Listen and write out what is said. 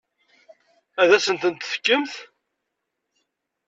Ad asent-tent-tefkemt?